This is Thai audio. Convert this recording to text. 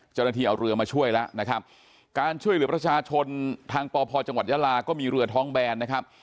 เจ้าหน้าที่เอาเรือมาช่วยแล้วนะครับการช่วยเหลือประชาชนทางปพจังหวัดยาลาก็มีเรือท้องแบนนะครับ